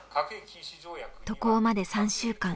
渡航まで３週間。